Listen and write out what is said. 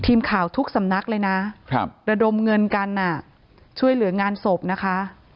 ทีมข่าวทุกสำนักเลยนะระดมเงินกันช่วยเหลืองานศพนะคะ